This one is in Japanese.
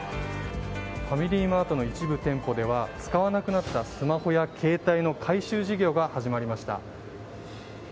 ファミリーマートの一部店舗では使わなくなったスマホや携帯の回収事業が始まりました。